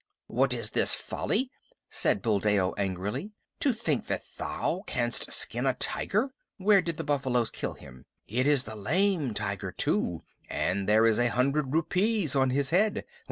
"What is this folly?" said Buldeo angrily. "To think that thou canst skin a tiger! Where did the buffaloes kill him? It is the Lame Tiger too, and there is a hundred rupees on his head.